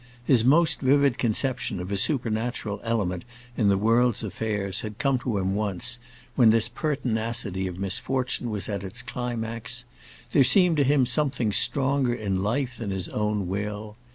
His most vivid conception of a supernatural element in the world's affairs had come to him once when this pertinacity of misfortune was at its climax; there seemed to him something stronger in life than his own will.